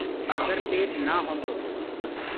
اگر پيٽ نآ هوندو تو